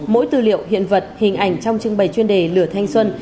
mỗi tư liệu hiện vật hình ảnh trong trưng bày chuyên đề lửa thanh xuân